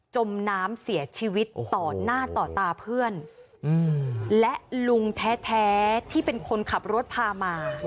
จมน้ำเสียชีวิตต่อหน้าต่อตาเพื่อนและลุงแท้ที่เป็นคนขับรถพามา